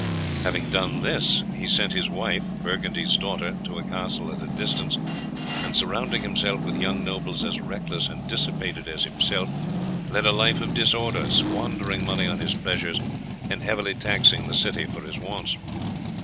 Having done this, he sent his wife, Burgundy's daughter, to a castle at a distance, and surrounding himself with young nobles as reckless and dissipated as himself, led a life of disorder, squandering money on his pleasures, and heavily taxing the city for his wants.